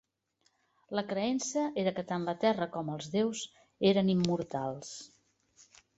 La creença era que tant la terra com els déus eren immortals.